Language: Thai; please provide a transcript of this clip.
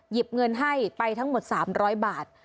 เงินให้ไปทั้งหมด๓๐๐บาท